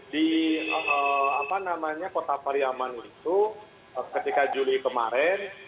di apa namanya kota pariaman itu ketika juli kemarin